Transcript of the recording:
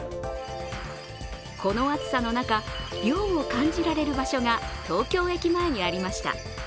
この暑さの中、涼を感じられる場所が東京駅前にありました。